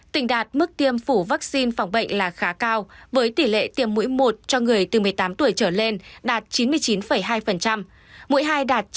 tỉnh đạt mức tiêm phủ vaccine phòng bệnh là khá cao với tỷ lệ tiêm mũi một cho người từ một mươi tám tuổi trở lên đạt chín mươi chín hai mũi hai đạt chín mươi bảy bảy mũi ba đạt tám mươi hai